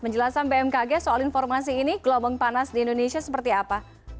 penjelasan bmkg soal informasi ini gelombang panas di indonesia seperti apa